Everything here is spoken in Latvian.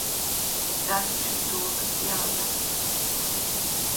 Es darīšu to, kas jādara.